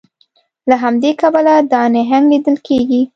له همدې کبله دا نهنګ لیدل کیږي